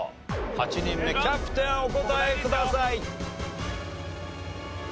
８人目キャプテンお答えください。